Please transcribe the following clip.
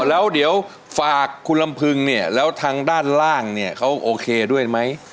แล้วเดี๋ยวฝากคุณลำพึงเนี่ยแล้วทางด้านล่างเนี่ยเขาโอเคด้วยไหม